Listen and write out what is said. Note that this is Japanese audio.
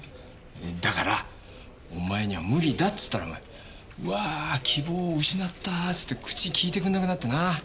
だから「お前には無理だ」っつったら「うわ希望を失った」つって口利いてくれなくなってな。